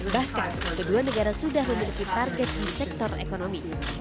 bahkan kedua negara sudah memiliki target di sektor ekonomi